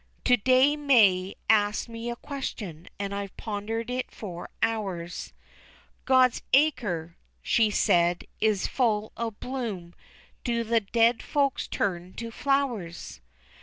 To day May asked me a question, and I've pondered it for hours, God's acre, she said, _is full of bloom do the dead folks turn to flowers?